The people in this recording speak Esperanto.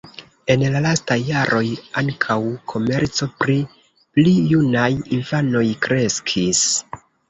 En la lastaj jaroj ankaŭ komerco pri pli junaj infanoj kreskis.